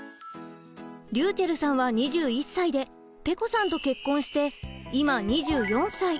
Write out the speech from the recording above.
りゅうちぇるさんは２１歳でぺこさんと結婚して今２４歳。